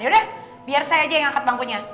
yaudah biar saya aja yang angkat bangkunya